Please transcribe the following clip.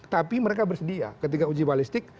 tapi mereka bersedia ketika uji balistik